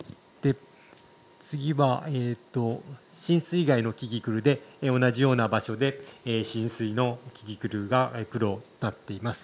次は浸水以外のキキクルで同じような場所で浸水のキキクルが黒になっています。